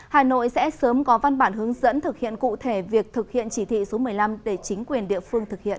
hà nội sẽ sớm có văn bản hướng dẫn thực hiện cụ thể việc thực hiện chỉ thị số một mươi năm để chính quyền địa phương thực hiện